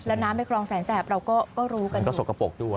แล้วน้ำในคลองแสนแสบเราก็รู้กันก็สกปรกด้วย